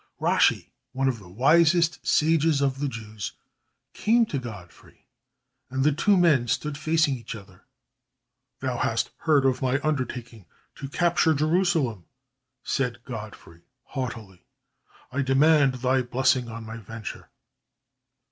Rashi, one of the wisest sages of the Jews, came to Godfrey, and the two men stood facing each other. "Thou hast heard of my undertaking to capture Jerusalem," said Godfrey, haughtily. "I demand thy blessing on my venture."